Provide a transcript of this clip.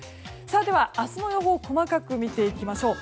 では明日の予報細かく見ていきましょう。